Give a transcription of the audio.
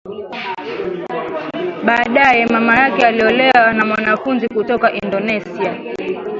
Baadae mama yake aliolewa na mwanafunzi kutoka Indonesia